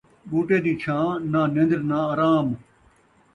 ٻوٹے دی چھاں، ناں نندر ناں آرام